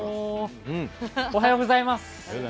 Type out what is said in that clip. おはようございます。